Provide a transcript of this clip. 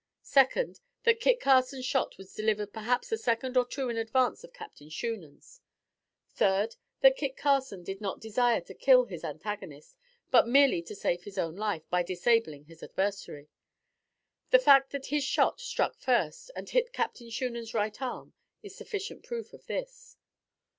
Second, that Kit Carson's shot was delivered perhaps a second or two in advance of Captain Shunan's; third, that Kit Carson did not desire to kill his antagonist, but merely to save his own life, by disabling his adversary. The fact that his shot struck first and hit Captain Shunan's right arm is sufficient proof of this.